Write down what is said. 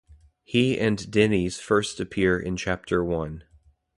He and Dennys first appear in Chapter One.